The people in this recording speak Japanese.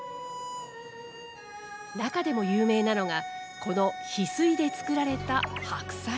中でも有名なのがこのヒスイで作られた白菜。